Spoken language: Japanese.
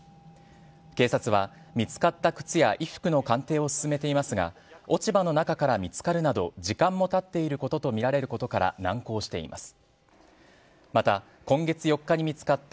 警察は、見つかった靴や衣服の鑑定を進めていますが、落ち葉の中から見つかるなど、時間もたっていることと見られることから難航しています。